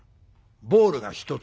ボールが「一つ」